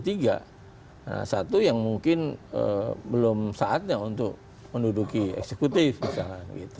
nah satu yang mungkin belum saatnya untuk menduduki eksekutif misalnya